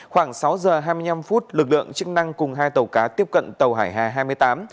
khoảng sáu giờ hai mươi năm phút lực lượng chức năng cùng hai tàu cá tiếp cận tàu hải hà hai mươi tám